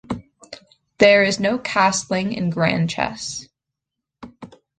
There is no castling in Grand Chess.